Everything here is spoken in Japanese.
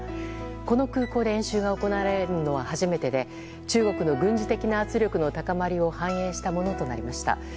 この空港で演習が行われるのは初めてで中国の軍事的な圧力の高まりを反映したものとなりました。